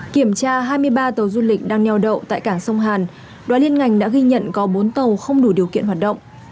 kiểm tra hai mươi ba tàu du lịch đang nheo đậu tại cảng sông hàn đoàn liên ngành đã ghi nhận có bốn tàu không đủ điều kiện hoạt động